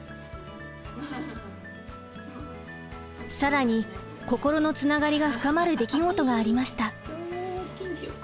更に心のつながりが深まる出来事がありました。